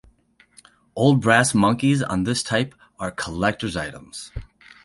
Old brass monkeys of this type are collectors' items.